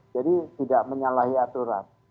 jadi tidak menyalahi aturan